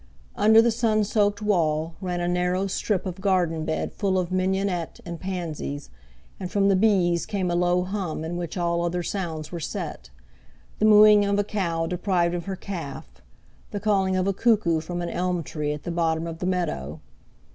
Under the sun soaked wall ran a narrow strip of garden bed full of mignonette and pansies, and from the bees came a low hum in which all other sounds were set—the mooing of a cow deprived of her calf, the calling of a cuckoo from an elm tree at the bottom of the meadow.